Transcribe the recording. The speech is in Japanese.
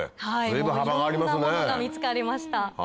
いろんなものが見つかりました。